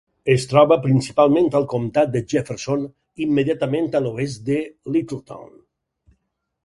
Es troba principalment al comtat de Jefferson, immediatament a l'oest de Littleton.